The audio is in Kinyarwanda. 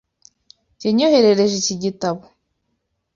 Yanyoherereje iki gitabo.